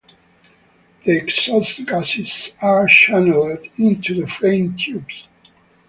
The exhaust gases are channeled into the frame tubes.